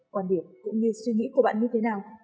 quan điểm cũng như suy nghĩ của bạn như thế nào